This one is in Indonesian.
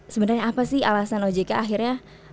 sebenarnya apa sih alasan ojk akhirnya